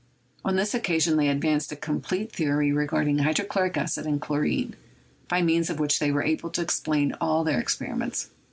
On this occasion, they advanced a complete the ory regarding hydrochloric acid and chlorine, by means of which they were able to explain all their experiments.